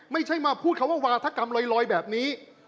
ไม่ใช่มาพูดคำว่าวาธกรรมลอยแบบนี้